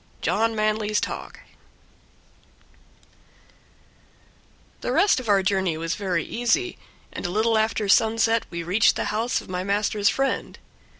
17 John Manly's Talk The rest of our journey was very easy, and a little after sunset we reached the house of my master's friend.